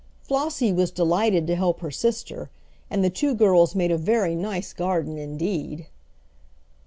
Flossie was delighted to help her sister, and the two girls made a very nice garden indeed.